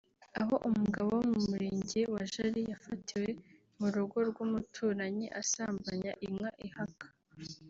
aho umugabo wo mu Murenge wa Jari yafatiwe mu rugo rw’umuturanyi asambanya inka ihaka